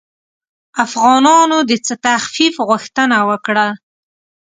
افغانانو د څه تخفیف غوښتنه وکړه.